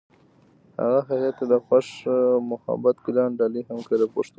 هغه هغې ته د خوښ محبت ګلان ډالۍ هم کړل.